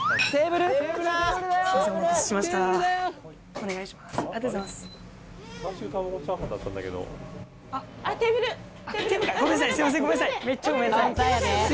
お願いします。